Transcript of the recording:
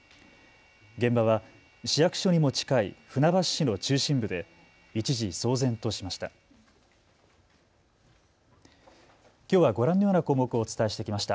現場は市役所にも近い船橋市の中心部で一時、騒然としました。